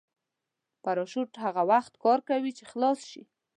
پراشوټ هغه وخت کار کوي چې خلاص شي.